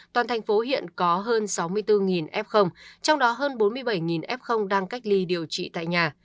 toàn thành phố hiện có hơn sáu mươi bốn f trong đó hơn bốn mươi bảy f đang cách ly điều trị tại nhà